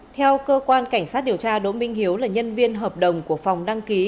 theo cơ quan cảnh sát điều tra đỗ minh hiếu là nhân viên hợp đồng của phòng đăng ký